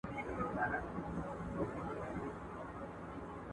نړيوال سياست په پېچلې پروسه بدل سوی دی.